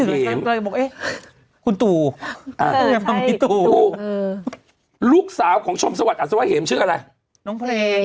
เอ๊ะคุณตูอ่าลูกสาวของชมสวัสดิ์อัสวะเหมชื่ออะไรน้องเพลง